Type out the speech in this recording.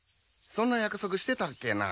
そんな約束してたっけな？